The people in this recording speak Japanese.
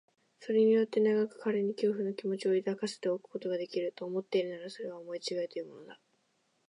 それによって長く彼に恐怖の気持を抱かせておくことができる、と思っているのなら、それは思いちがいというものだ。